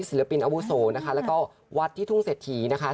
ศิลปินอาวุโสนะคะแล้วก็วัดที่ทุ่งเศรษฐีนะคะ